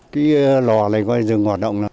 cái lò này dừng hoạt động